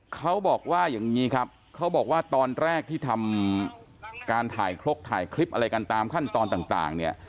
เขาบอกว่าอย่างนี้ครับเขาบอกว่าตอนแรกที่ทำการถ่ายครกถ่ายคลิปอะไรกันตามขั้นตอนต่างเนี่ย